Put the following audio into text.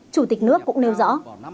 chủ tịch nước cũng nêu rõ